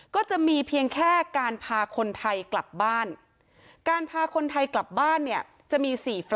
ก็จะมีเพียงแค่การพาคนไทยกลับบ้านการพาคนไทยกลับบ้านเนี่ยจะมี๔